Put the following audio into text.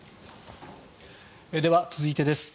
では、続いてです。